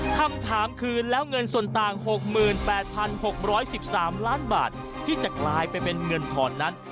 คำถามคือแล้วเงินส่วนต่าง๖๘๖๑๓ล้านบาทที่จะกลายไปเป็นเงินถอนนั้น